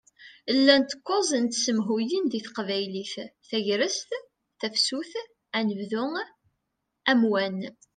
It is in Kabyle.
Llant kuẓ n tsemhuyin di teqbaylit: Tagrest, Tafsut, Anebdu, Amwan.